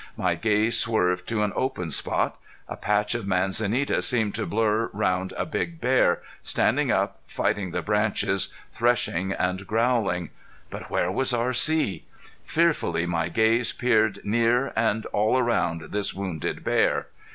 My gaze swerved to an open spot. A patch of manzanita seemed to blur round a big bear, standing up, fighting the branches, threshing and growling. But where was R.C.? Fearfully my gaze peered near and all around this wounded bear.